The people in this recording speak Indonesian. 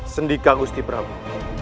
sendika gusti prabu